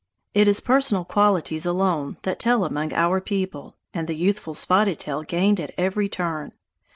It is personal qualities alone that tell among our people, and the youthful Spotted Tail gained at every turn.